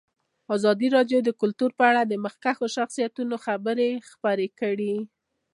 ازادي راډیو د کلتور په اړه د مخکښو شخصیتونو خبرې خپرې کړي.